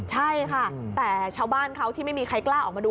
ใช่ค่ะแต่ชาวบ้านเขาที่ไม่มีใครกล้าออกมาดู